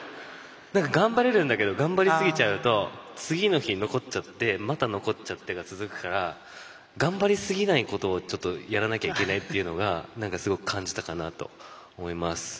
頑張れるんだけど頑張りすぎちゃうと次の日、残っちゃってまた残っちゃってが続くから頑張りすぎないことをやらなきゃいけないというのがすごく感じたかなと思います。